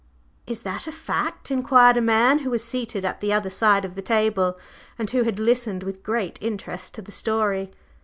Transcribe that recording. "Is that a fact?" inquired a man who was seated at the other side of the table, and who had listened with great interest to the story.